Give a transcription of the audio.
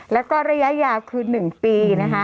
และก็ระยะยาวคือ๑ปี